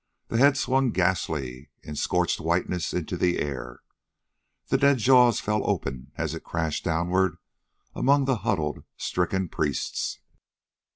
The head swung ghastly in scorched whiteness into the air. The dead jaws fell open as it crashed downward among the huddled, stricken priests.